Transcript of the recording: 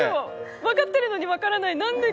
分かってるのに分からない。